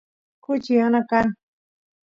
kuchi yana kan